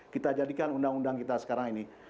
kita jadikan undang undang kita sekarang ini